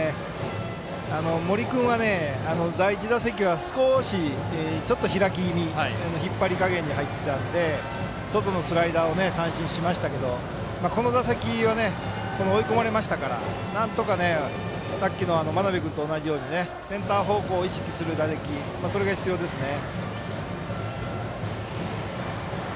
森君は第１打席は少しちょっと開き気味引っ張り加減で入ったので外のスライダーを三振しましたけどこの打席は追い込まれましたからなんとか、真鍋君と同じようにセンター方向を意識する打席それが必要ですね。